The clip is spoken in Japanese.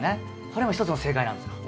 これも一つの正解なんですよ。